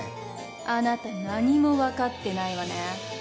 あなた何も分かってないわね。